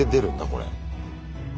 これ。